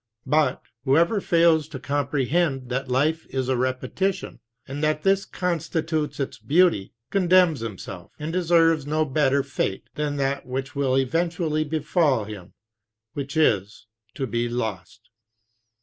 But whoever fails to comprehend that life is a repetition, and that this constitutes its beauty, condemns himself, and deserves no better fate than that which will eventually befall him, which is: to be lost.